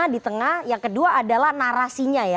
di tengah yang kedua adalah narasinya ya